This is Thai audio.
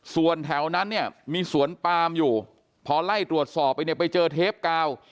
ส่วนแถวนั้นมีสวนปามอยู่พอไล่ตรวจสอบไปเจอเทปกาว